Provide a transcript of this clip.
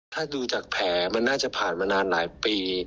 ถ้าดูจากแผลมันน่าจะผ่านมานานหลายปี